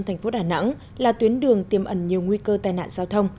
thành phố đà nẵng là tuyến đường tiêm ẩn nhiều nguy cơ tai nạn giao thông